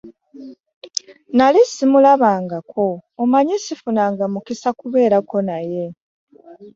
Nali simulabangako, omanyi, sifunanga mukisa kubeerako naye.